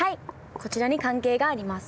こちらに関係があります。